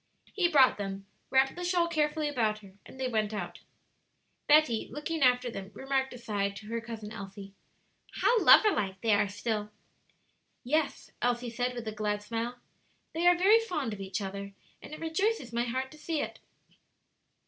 He brought them, wrapped the shawl carefully about her, and they went out. Betty, looking after them, remarked aside to her Cousin Elsie, "How lover like they are still!" "Yes," Elsie said, with a glad smile: "they are very fond of each other, and it rejoices my heart to see it."